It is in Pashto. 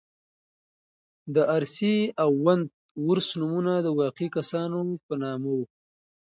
دارسي او ونت وُرث نومونه د واقعي کسانو په نامه وو.